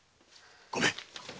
ごめん。